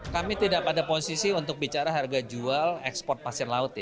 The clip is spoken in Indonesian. kami tidak pada posisi untuk bicara harga jual ekspor pasir laut